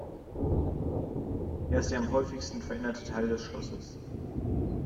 Er ist der am häufigsten veränderte Teil des Schlosses.